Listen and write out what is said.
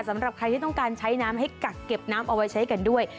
สำหรับใครที่ต้องการใช้น้ำให้กักเก็บน้ำเอาไว้ใช้กันด้วย